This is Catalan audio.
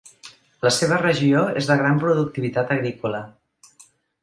La seva regió és de gran productivitat agrícola.